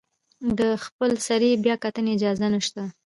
د خپلسرې بیاکتنې اجازه نشته.